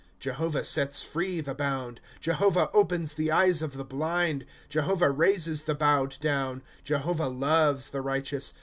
Jehovah sets free the bound ;^ Jehovah opens the eyes of tlie blind ; Jehovah raises the bowed down. Jehovah loves the righteous.